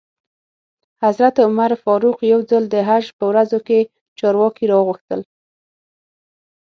حضرت عمر فاروق یو ځل د حج په ورځو کې چارواکي را وغوښتل.